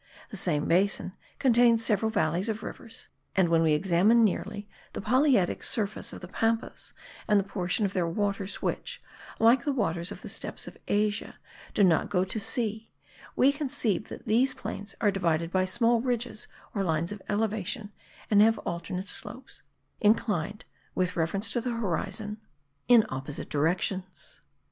The same basin contains several valleys of rivers; and when we examine nearly the polyedric surface of the Pampas and the portion of their waters which, like the waters of the steppes of Asia, do not go to the sea, we conceive that these plains are divided by small ridges or lines of elevation, and have alternate slopes, inclined, with reference to the horizon, in opposite directions.